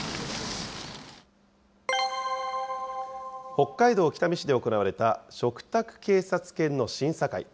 北海道北見市で行われた、嘱託警察犬の審査会。